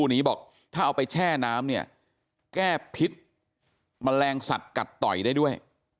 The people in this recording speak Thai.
น้ำเนี่ยแก้พิษแมลงสัตว์ฯกัตต่อยได้ด้วย